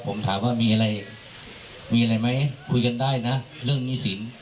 ผมถามว่าว่ามีอะไรมั้ยคุยกันได้นะเรื่องมีสิน